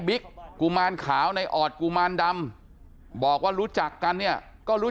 กุมารขาวในออดกุมารดำบอกว่ารู้จักกันเนี่ยก็รู้